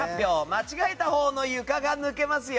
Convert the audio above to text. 間違えたほうの床が抜けますよ。